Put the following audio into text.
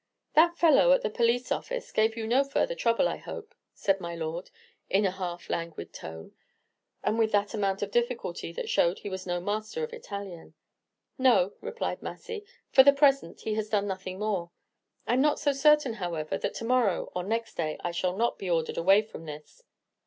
"That fellow at the police office gave you no further trouble, I hope," said my lord, in a half languid tone, and with that amount of difficulty that showed he was no master of Italian. "No," replied Massy; "for the present, he has done nothing more. I 'm not so certain, however, that to morrow or next day I shall not be ordered away from this."